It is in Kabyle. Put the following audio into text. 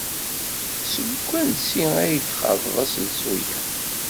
Seg wansi ay d-txaḍeḍ aselsu-a?